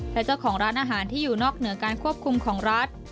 และเจ้าของร้านอาหารที่อยู่นอกเหนือการควบคุมของรัฐ